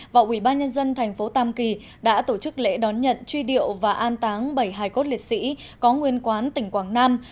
và ubnd tp tam kỳ đã tổ chức lễ đón nhận truy điệu và an táng bảy hài cốt liệt sĩ có nguyên quán tỉnh quảng nam